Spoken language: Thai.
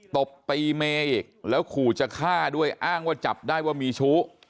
ตบตีเมย์อีกแล้วขู่จะฆ่าด้วยอ้างว่าจับได้ว่ามีชู้